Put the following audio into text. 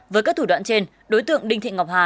với các thủ đoạn trên đối tượng đinh thị ngọc hà